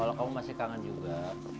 kalau kamu masih kangen juga